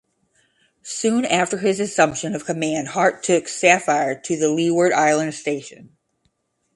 Soon after his assumption of command Hart took "Sapphire" to the Leeward Islands Station.